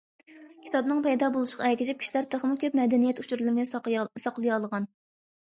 كىتابنىڭ پەيدا بولۇشىغا ئەگىشىپ، كىشىلەر تېخىمۇ كۆپ مەدەنىيەت ئۇچۇرلىرىنى ساقلىيالىغان.